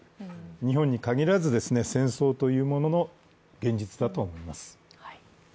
日本に限らず、戦争というものの現実だと思います。